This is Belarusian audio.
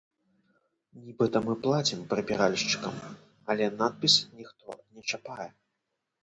Нібыта мы плацім прыбіральшчыкам, але надпіс ніхто не чапае.